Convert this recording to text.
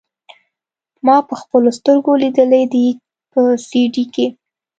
ما پخپلو سترګو ليدلي دي په سي ډي کښې.